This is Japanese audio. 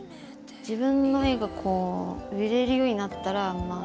自分の絵がこう売れるようになったらまあ